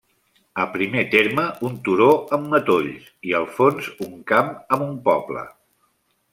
A primer terme un turó amb matolls i al fons un camp amb un poble.